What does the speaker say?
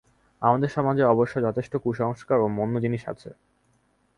আমাদের সমাজে অবশ্য যথেষ্ট কুসংস্কার ও মন্দ জিনিষ আছে।